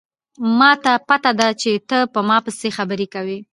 ما ته پته ده چې ته په ما پسې خبرې کوې